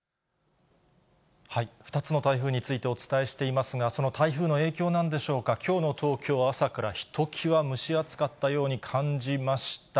２つの台風についてお伝えしていますが、その台風の影響なんでしょうか、きょうの東京は朝からひときわ蒸し暑かったように感じました。